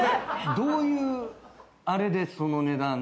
どういうあれでその値段に？